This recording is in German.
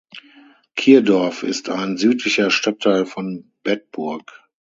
Kirdorf ist ein südlicher Stadtteil von Bedburg.